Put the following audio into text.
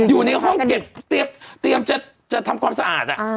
อยู่ในห้องเก็บเตรียมจะทำความสะอาด